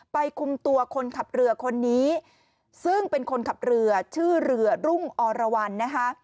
คุมตัวคนขับเรือคนนี้ซึ่งเป็นคนขับเรือชื่อเรือรุ่งอรวรรณนะคะ